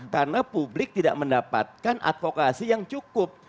karena publik tidak mendapatkan advokasi yang cukup